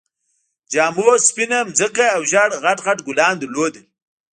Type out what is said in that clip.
جامو سپينه ځمکه او ژېړ غټ غټ ګلان لرل